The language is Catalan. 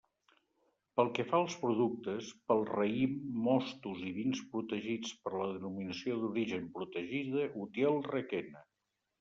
Pel que fa als productes, pel raïm, mostos i vins protegits per la Denominació d'Origen Protegida Utiel-Requena.